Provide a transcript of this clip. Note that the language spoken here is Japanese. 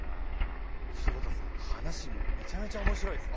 坪田さん話めちゃめちゃ面白いですね。